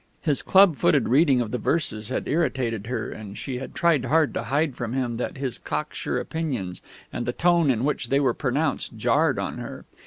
His club footed reading of the verses had irritated her, and she had tried hard to hide from him that his cocksure opinions and the tone in which they were pronounced jarred on her.